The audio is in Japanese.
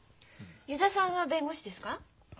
油座さんは弁護士ですか？